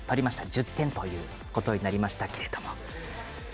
１０点ということになりました。